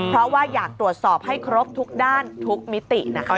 เพราะว่าอยากตรวจสอบให้ครบทุกด้านทุกมิตินะคะ